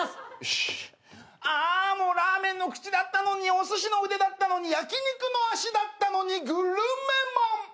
あもうラーメンの口だったのにおすしの腕だったのに焼き肉の脚だったのにグルメマン！